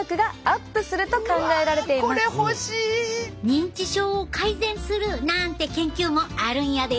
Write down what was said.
認知症を改善するなんて研究もあるんやで。